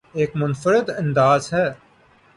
ایک منفرد انداز سے